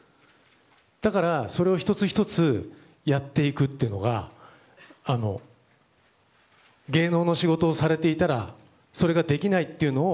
だから、それを１つ１つやっていくことが芸能の仕事をされていたらそれができないということを